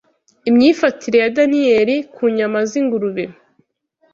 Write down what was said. Imyifatire ya Daniyeli ku nyama z’ingurube